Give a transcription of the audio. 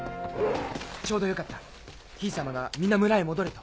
ちょうどよかったヒイ様が皆村へ戻れと。